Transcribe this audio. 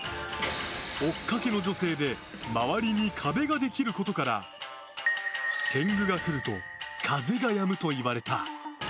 追っかけの女性で周りに壁ができることから天狗が来ると風がやむといわれた。